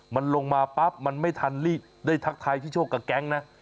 มันลงมาปั๊บมันไม่ทันได้ทักทายพี่โชคกับแก๊งนะ